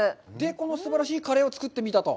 このすばらしいカレーを作ってみたと。